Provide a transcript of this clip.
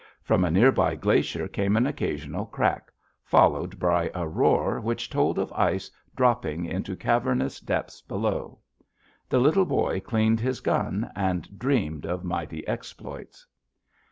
From a near by glacier came an occasional crack, followed by a roar which told of ice dropping into cavernous depths below. The Little Boy cleaned his gun and dreamed of mighty exploits.